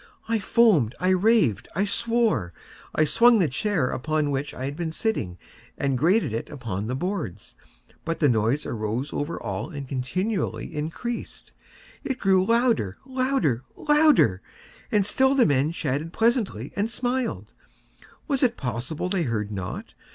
I foamed—I raved—I swore! I swung the chair upon which I had been sitting, and grated it upon the boards, but the noise arose over all and continually increased. It grew louder—louder—louder! And still the men chatted pleasantly, and smiled. Was it possible they heard not?